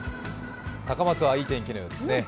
高松はいい天気のようですね。